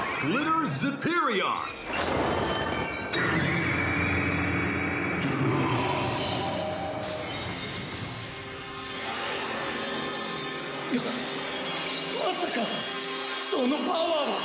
うっまさかそのパワーは！